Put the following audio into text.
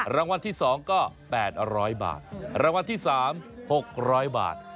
รางวัลที่๒ก็๘๐๐บาทรางวัลที่๓๖๐๐บาท